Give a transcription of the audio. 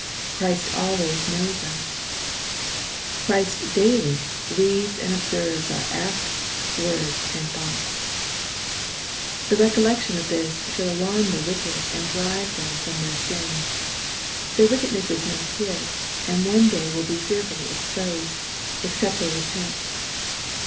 Christ always knows us 1 Christ daily reads and observes our acts, words and thoughts I — The recollection of this should alarm the wicked and drive them from their sins, Their wickedness is not hid, and will one day be fearfully exposed, except they repent.